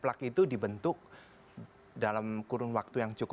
terbentuknya jadi sebelum terjadinya orang serangan jantung itu harus